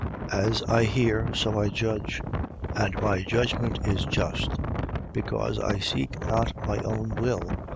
As I hear, so I judge. And my judgment is just: because I seek not my own will.